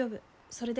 それで？